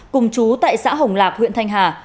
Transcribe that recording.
cùng chú tại xã hồng lạp huyện thanh hà